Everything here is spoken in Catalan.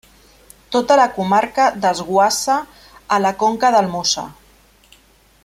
Tota la comarca desguassa a la conca del Mosa.